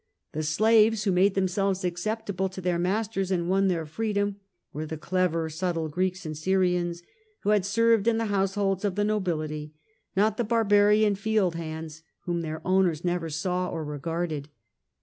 The slaves who made themselves acceptable to their masters, and won their freedom, were the clever subtle Greeks and Syrians who had served in the house holds of the nobility, not the barbarian field hands, whom their owners never saw or regarded.